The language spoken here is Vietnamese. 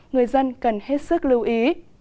người dân cần hết sức lưu ý